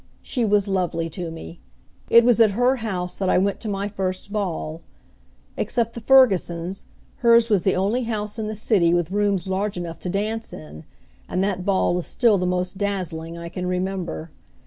She was lovely to me. It was at her house that I went to my first ball. Except the Fergusons', hers was the only house in the city with rooms large enough to dance in, and that ball is still the most dazzling I can remember.